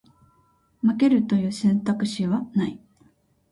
負けるという選択肢はない